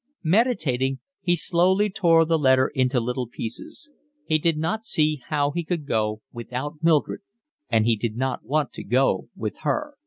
Meditating, he slowly tore the letter into little pieces; he did not see how he could go without Mildred, and he did not want to go with her.